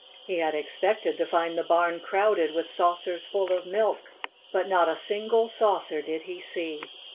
He had expected to find the barn crowded with saucers full of milk. But not a single saucer did he see.